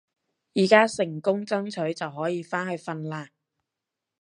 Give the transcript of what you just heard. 而家成功爭取就可以返去瞓啦